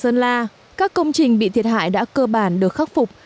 sơn la các công trình bị thiệt hại đã cơ bản được khắc phục